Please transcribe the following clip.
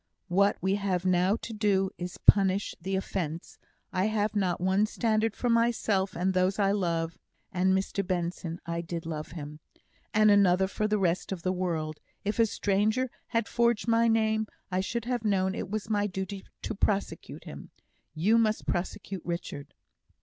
"What we have now to do is to punish the offence. I have not one standard for myself and those I love (and, Mr Benson, I did love him) and another for the rest of the world. If a stranger had forged my name, I should have known it was my duty to prosecute him. You must prosecute Richard."